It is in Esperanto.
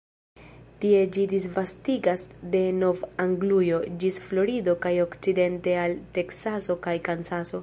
Tie ĝi disvastigas de Nov-Anglujo ĝis Florido kaj okcidente al Teksaso kaj Kansaso.